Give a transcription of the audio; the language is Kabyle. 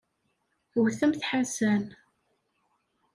Wwtemt Ḥasan.